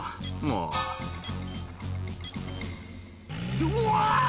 「うわ！」